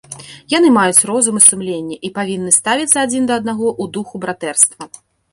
Яны маюць розум і сумленне, і павінны ставіцца адзін да аднаго ў духу братэрства.